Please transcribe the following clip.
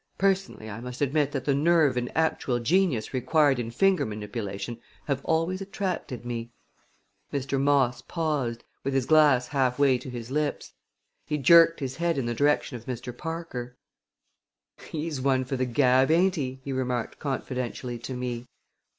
Personally I must admit that the nerve and actual genius required in finger manipulation have always attracted me." Mr. Moss paused, with his glass halfway to his lips. He jerked his head in the direction of Mr. Parker. "He is one for the gab, ain't he?" he remarked confidentially to me.